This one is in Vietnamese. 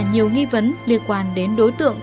nhiều nghi vấn liên quan đến đối tượng